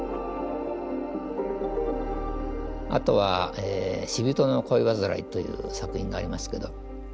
あとは「死びとの恋わずらい」という作品がありますけど。